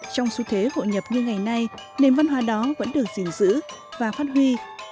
trong xu thế hội nhập như ngày nay nền văn hóa đó vẫn được gìn giữ và phát huy